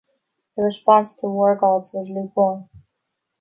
The response to "War Gods" was lukewarm.